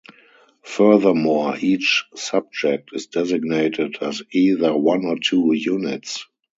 Furthermore, each subject is designated as either one or two "units".